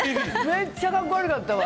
めっちゃかっこ悪かったわ。